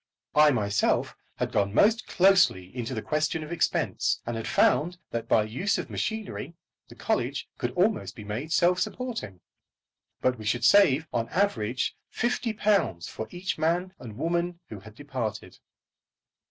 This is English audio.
I myself had gone most closely into the question of expense, and had found that by the use of machinery the college could almost be made self supporting. But we should save on an average £50 for each man and woman who had departed.